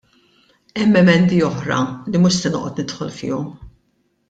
Hemm emendi oħra li mhux se noqgħod nidħol fihom.